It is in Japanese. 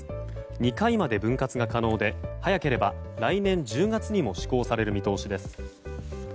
２回まで分割が可能で早ければ来年１０月にも施行される見通しです。